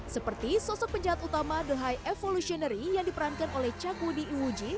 seperti sosok penjahat utama the high evolutionary yang diperankan oleh cagu di iwuji